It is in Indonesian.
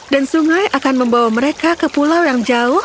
dan sungai akan membawa mereka ke pulau yang jauh